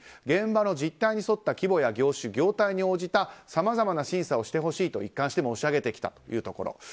現場の実態に沿った規模や業種業態に応じたさまざまな審査をしてほしいと一貫して申し上げてきたと。